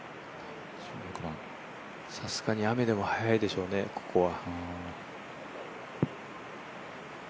さすがに雨でも速いでしょうね、ここは。